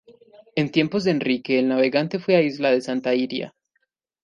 En tiempos de Enrique el Navegante fue isla de Santa Iria.